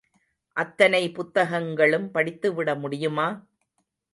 அத்தனை புத்தகங்களும் படித்து விடமுடியுமா?